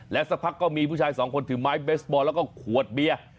สักพักก็มีผู้ชายสองคนถือไม้เบสบอลแล้วก็ขวดเบียร์